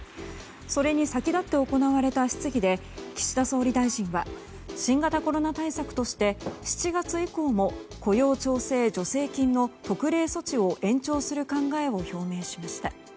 それに先立って行われた質疑で岸田総理大臣は新型コロナ対策として７月以降も雇用調整助成金の特例措置を延長する考えを表明しました。